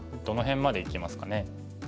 どの辺までいきますかね。